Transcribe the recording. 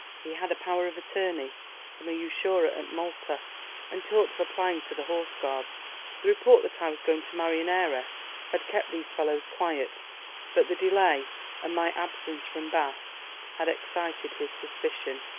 He had a power of attorney from an usurer at Malta, and talked of applying to the Horse Guards. The report that I was going to marry an heiress had kept these fellows quiet, but the delay and my absence from Bath had excited his suspicion.